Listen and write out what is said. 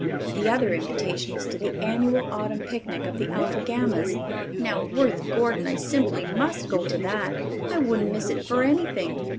The other invitation is to the annual autumn picnic of the Alpha Gammas. Now, Worth Gordon, I simply must go to that. I wouldn't miss it for anything.